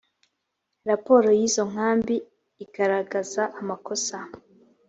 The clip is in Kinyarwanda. raporo y’izo nkambi igaragaza amakosa